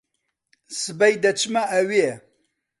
سبەی دەچمە ئەوێ.